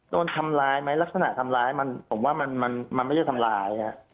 โดนทำร้ายไหมลักษณะทำร้ายมันผมว่ามันไม่ได้ทำร้าย